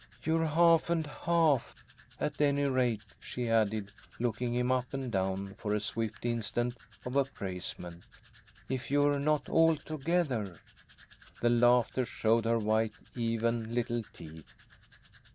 "You're half and half, at any rate," she added, looking him up and down for a swift instant of appraisement, "if you're not altogether." The laughter showed her white, even little teeth.